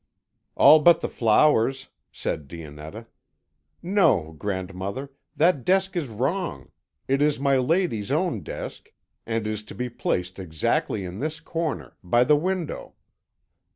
"All but the flowers." said Dionetta. "No, grandmother, that desk is wrong; it is my lady's own desk, and is to be placed exactly in this corner, by the window.